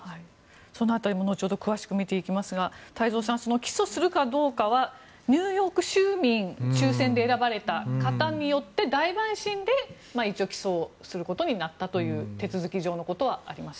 その辺りも後ほど詳しく見ていきますが太蔵さん、起訴するかどうかはニューヨーク州民抽選で選ばれた方によって大陪審で一応起訴することになったという手続き上のことはあります。